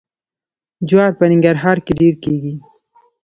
جوار په ننګرهار کې ډیر کیږي.